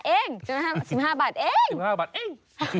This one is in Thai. ๑๕เอง๑๕บาทเอง